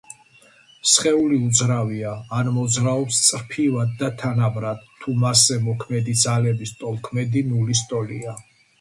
სხეული უძრავია ან მოძრაობს წრფივად და თანაბრად თუ მასზე მოქმედი ძალების ტოლქმედი ნულის ტოლია.